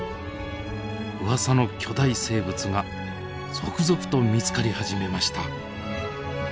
うわさの巨大生物が続々と見つかり始めました。